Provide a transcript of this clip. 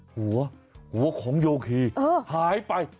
หัวหัวของโยคีหายไป